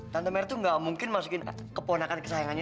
tante merry itu nggak mungkin masukin keponakan kesayangannya